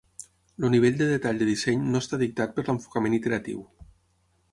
El nivell de detall de disseny no està dictat per l'enfocament iteratiu.